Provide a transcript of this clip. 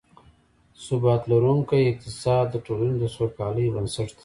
ثبات لرونکی اقتصاد، د ټولنې د سوکالۍ بنسټ دی